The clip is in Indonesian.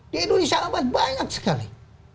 di indonesia amat banyak sekali